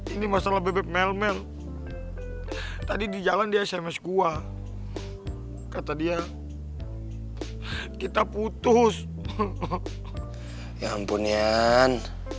ini masalah bebek melmel tadi di jalan di sms gua kata dia kita putus ya ampunian